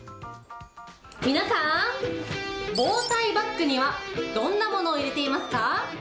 皆さん、防災バッグには、どんなものを入れていますか？